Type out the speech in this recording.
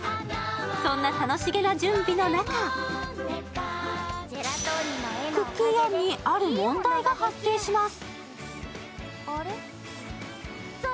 そんな楽しげな準備の中、クッキー・アンに、ある問題が発生します。